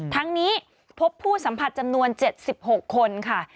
ทั้งนี้พบผู้สัมผัสจำนวน๗๖คนค่ะ